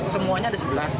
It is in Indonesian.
semuanya ada sebelas